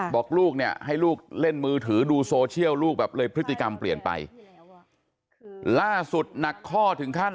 พฤติกรรมเปลี่ยนไปล่าสุดหนักข้อถึงขั้น